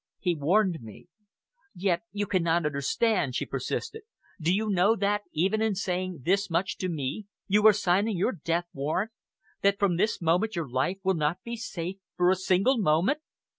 "He warned me." "Yet you cannot understand," she persisted. "Do you know that, even in saying this much to me, you are signing your death warrant that from this moment your life will not be safe for a single moment?"